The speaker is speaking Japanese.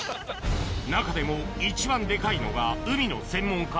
中でも一番デカいのが海の専門家